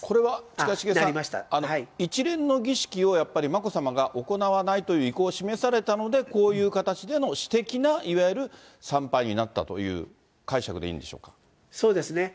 これは近重さん、一連の儀式をやっぱり、眞子さまが行わないという意向を示されたので、こういう形での私的ないわゆる参拝になったという解釈でいいんでそうですね。